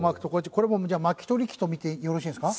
これもじゃあ巻き取り機とみてよろしいんですか？